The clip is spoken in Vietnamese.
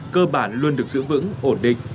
cơ bản luôn được giữ vững ổn định